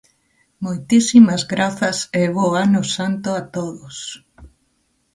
Moitísimas grazas e bo Ano Santo a todos.